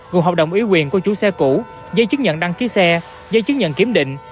gồm hợp đồng ý quyền của chủ xe cũ giấy chứng nhận đăng ký xe giấy chứng nhận kiểm định